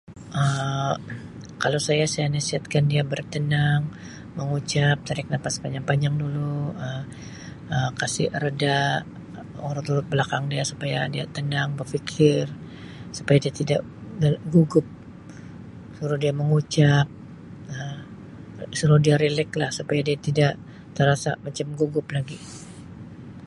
Um Kalau saya, saya nasihatkan dia bertenang, mengucap tarikh nafas panjang-panjang dulu Um kasi reda, u-urut-urut belakang dia supaya dia tenang berfikir supaya dia tidak gugup, suruh dia mengucap Um suruh dia relax lah supaya dia tida terasa macam gugup lagi.